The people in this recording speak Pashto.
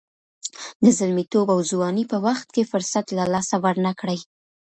د زلمیتوب او ځوانۍ په وخت کې فرصت له لاسه ورنه کړئ.